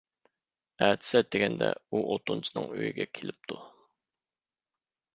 ئەتىسى ئەتىگەندە، ئۇ ئوتۇنچىنىڭ ئۆيىگە كېلىپتۇ.